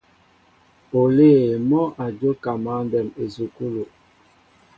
Olê mɔ́ a jóka mǎndɛm esukû.